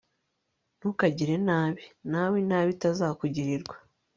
ntukagire nabi, nawe inabi itazakugwirira